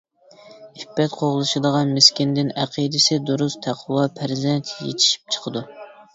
ئىپپەت قوغلىشىدىغان مىسكىندىن، ئەقىدىسى دۇرۇس، تەقۋا پەرزەنت يېتىشىپ چىقىدۇ.